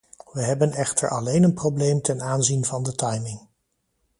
We hebben echter alleen een probleem ten aanzien van de timing.